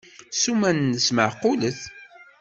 Ssuma-nnes meɛqulet.